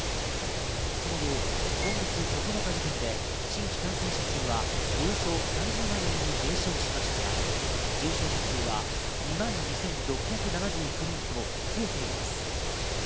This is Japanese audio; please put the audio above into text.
その後、今月９日時点で新規感染者数はおよそ３０万人に減少しましたが、重症者数は２万２６７９人と増えています。